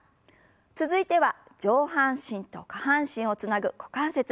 続いては上半身と下半身をつなぐ股関節。